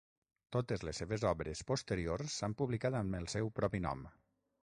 Totes les seves obres posteriors s'han publicat amb el seu propi nom.